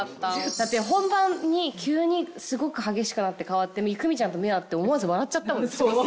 だって本番に急にすごく激しくなって変わって公美ちゃんと目合って思わず笑っちゃったもんね。